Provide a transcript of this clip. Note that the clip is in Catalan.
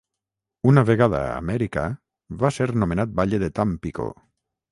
Una vegada a Amèrica, va ser nomenat batlle de Tampico.